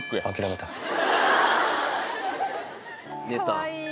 寝た。